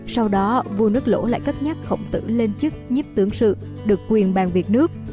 sau đó vua nước lỗ lại cất nháp khổng tử lên chức nhếp tưởng sự được quyền bàn việc nước